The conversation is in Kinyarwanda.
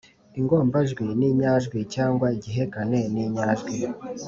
ingombajwi n’inyajwi cyangwa igihekane n’inyajwi